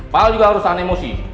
pahal juga urusan emosi